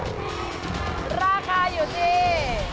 มันราคาอยู่ที่